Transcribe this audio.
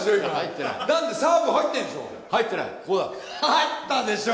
入ったでしょ